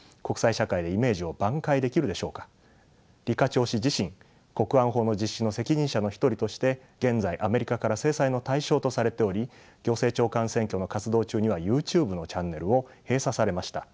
超氏自身国安法の実施の責任者の一人として現在アメリカから制裁の対象とされており行政長官選挙の活動中にはユーチューブのチャンネルを閉鎖されました。